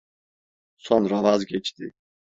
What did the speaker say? Sonra vazgeçti.